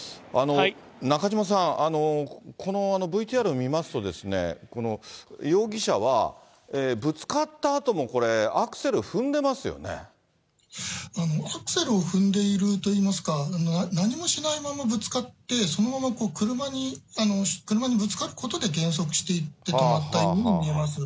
中島さん、このＶＴＲを見ますと、容疑者はぶつかったあとも、アクセルを踏んでいるといいますか、何もしないままぶつかって、そのまま車にぶつかることで減速していって止まったように見えます。